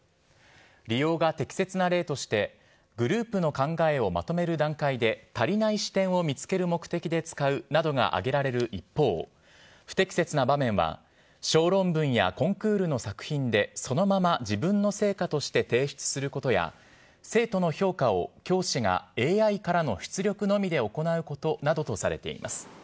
利用が適切な例として、グループの考えをまとめる段階で足りない視点を見つける目的で使うなどがあげられる一方、不適切な場面は、小論文やコンクールの作品で、そのまま自分の成果として提出することや、生徒の評価を教師がＡＩからの出力のみで行うことなどとされています。